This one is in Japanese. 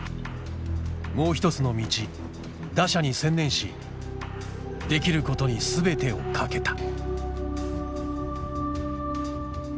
もう一つの道打者に専念しできることに全てを懸けた。